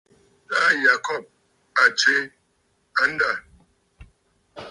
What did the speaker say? Taà Yacob a tswe andâ.